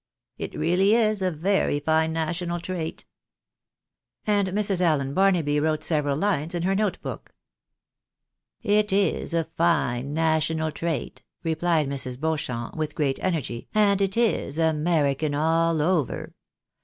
It really is a very fine national trait." And Mrs. Allen Barnaby wrote several lines in her note book. " It is a fine national trait replied Mrs. Beauchamp, with great energy, and it is American all over.